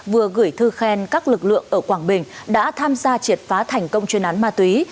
vừa gửi thư khen các lực lượng ở quảng bình đã tham gia triệt phá thành công chuyên án ma túy